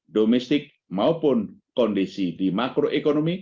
domestik maupun kondisi di makroekonomi